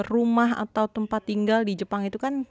rumah atau tempat tinggal di jepang itu kan